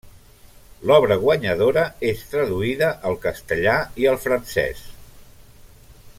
L'obra guanyadora és traduïda al castellà i al francès.